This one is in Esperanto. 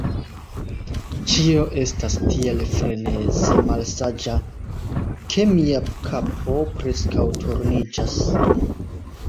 Ĉio estas tiel freneze malsaĝa, ke mia kapo preskaŭ turniĝas.